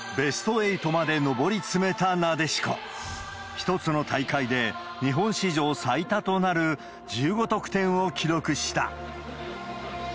一つの大会で、日本史上最多となる１５得点を記録した。